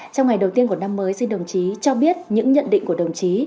trong ngày đầu tiên của năm mới xin đồng chí cho biết những nhận định của đồng chí